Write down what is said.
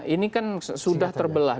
ini kan sudah terbelah